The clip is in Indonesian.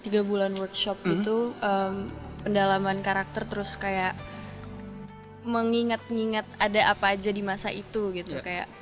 tiga bulan workshop itu pendalaman karakter terus kayak mengingat ingat ada apa aja di masa itu gitu